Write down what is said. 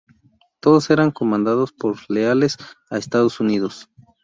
Todos eran comandados por leales a Estados Unidos.